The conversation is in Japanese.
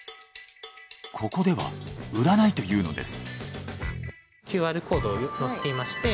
ここでは売らないというのです。